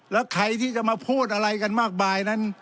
แล้วใครที่จะมาพูดอะไรกันมากมายนั้น